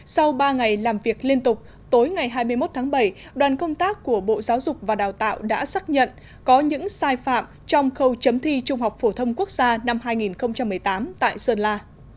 sau ba ngày làm việc liên tục tối ngày hai mươi một tháng bảy đoàn công tác của bộ giáo dục và đào tạo đã xác nhận có những sai phạm trong khâu chấm thi trung học phổ thông quốc gia năm hai nghìn một mươi tám tại sơn la